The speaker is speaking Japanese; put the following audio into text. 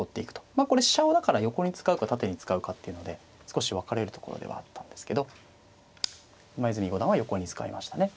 まあこれ飛車をだから横に使うか縦に使うかっていうので少し分かれるところではあったんですけど今泉五段は横に使いましたね。